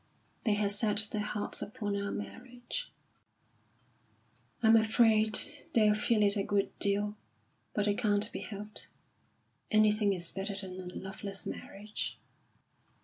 "They had set their hearts upon our marriage." "I'm afraid they'll feel it a good deal. But it can't be helped. Anything is better than a loveless marriage."